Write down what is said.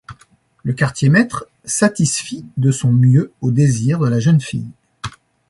Le quartier-maître satisfit de son mieux aux désirs de la jeune fille.